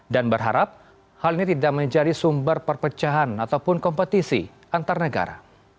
dan berharap hal ini tidak menjadi sumber perpecahan ataupun kompetisi antar negara